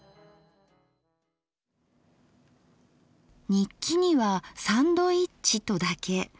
日記には「サンドイッチ」とだけ。